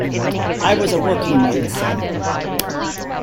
I was a working man's son.